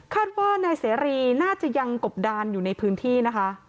ว่านายเสรีน่าจะยังกบดานอยู่ในพื้นที่นะคะ